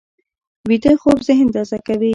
ویده خوب ذهن تازه کوي